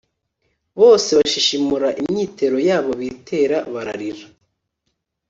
Bose bashishimura imyitero yabo bitera bararira